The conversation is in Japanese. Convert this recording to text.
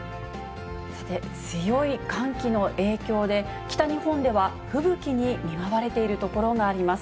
さて、強い寒気の影響で、北日本では吹雪に見舞われている所があります。